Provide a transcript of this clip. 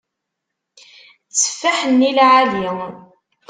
Tteffaḥ-nni lɛali.